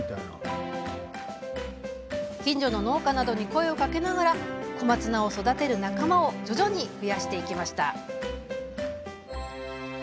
近所の農家などに声をかけながら小松菜を育てる仲間を徐々に増やしていきました。